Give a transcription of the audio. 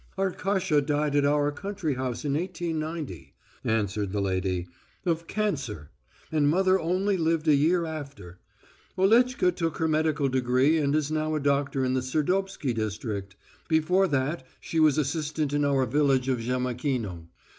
"Arkasha died at our country house in 1890," answered the lady, "of cancer. And mother only lived a year after. Oletchka took her medical degree and is now a doctor in the Serdobsky district before that she was assistant in our village of Jemakino.